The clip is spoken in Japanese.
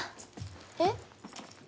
えっ？